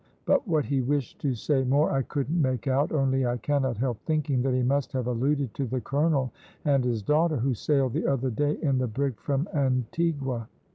but what he wished to say more I couldn't make out, only I cannot help thinking that he must have alluded to the colonel and his daughter, who sailed the other day in the brig from Antigua."